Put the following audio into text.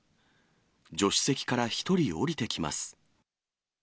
助手席から１人降りてきます。